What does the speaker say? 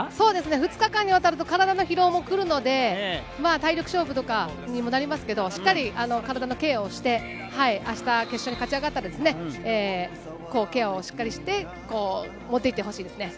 ２日間にわたると、体の疲労も来るので体力勝負になりますが、体のケアをして、明日、決勝に勝ち上がったら、ケアをしっかりして持っていってほしいですね。